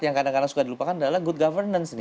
yang kadang kadang suka dilupakan adalah good governance nih